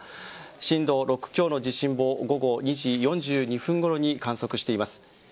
震度６強の地震を午後２時４２分ごろに観測しています。